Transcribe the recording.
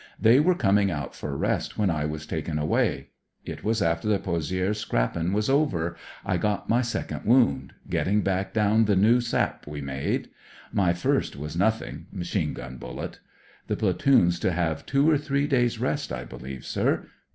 They were coming out for rest when I was taken away. It was after the Pozi^res scrappin' was over I got my second woimd — getting back down the new sap CLOSE QUARTERS we made. My first was nothing— machine gun bullet. The platoon's to have two or three days* rest, I believe, sir.